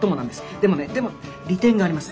でもねでも利点があります。